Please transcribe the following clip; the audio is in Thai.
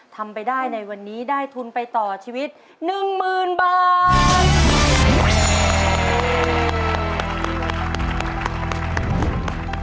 ทำไปได้ในวันนี้ได้ทุนไปต่อชีวิต๑๐๐๐บาท